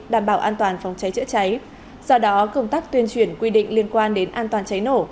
đảm bảo an toàn phòng cháy chữa cháy do đó công tác tuyên truyền quy định liên quan đến an toàn cháy nổ